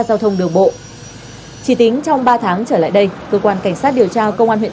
giao thông đường bộ chỉ tính trong ba tháng trở lại đây cơ quan cảnh sát điều tra công an huyện